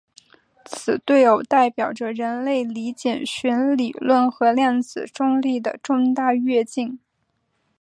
此对偶代表着人类理解弦理论和量子重力的重大跃进。